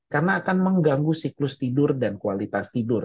karena akan mengganggu siklus tidur dan kualitas tidur